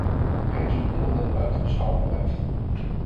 Er is een deel dat buiten beschouwing blijft.